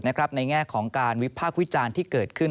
ในแง่ของการวิพากษ์วิจารณ์ที่เกิดขึ้น